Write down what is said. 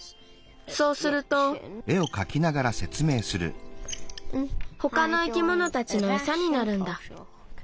そうするとほかの生き物たちのエサになるんだ。